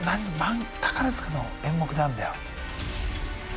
宝塚の演目であるんだよ。